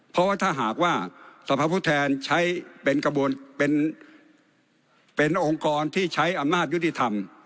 เพราะถ้าหากว่าสภาพุทธแหลศดรใช้เป็นองค์กรที่ใช้อำนาจยุติธรรม